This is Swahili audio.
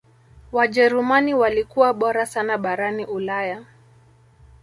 wajerumani walikua bora sana barani ulaya